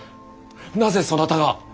なぜそなたが。